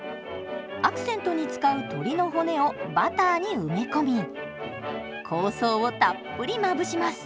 アクセントに使う鶏の骨をバターに埋め込み香草をたっぷりまぶします。